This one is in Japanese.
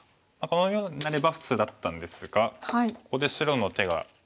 このようになれば普通だったんですがここで白の手が。